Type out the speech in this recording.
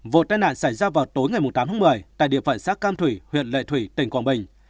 vụ tai nạn xảy ra vào tối ngày tám tháng một mươi tại địa phận xã cam thủy huyện lệ thủy tỉnh quảng bình